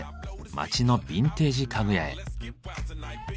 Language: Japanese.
街のビンテージ家具屋へ。